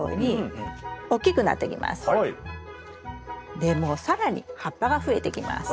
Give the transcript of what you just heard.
でも更に葉っぱが増えてきます。